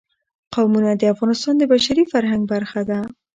قومونه د افغانستان د بشري فرهنګ برخه ده.